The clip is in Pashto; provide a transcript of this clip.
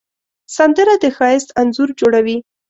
سندره د ښایست انځور جوړوي